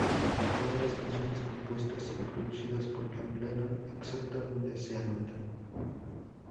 Todas las canciones compuestas y producidas por John Lennon excepto donde se anota.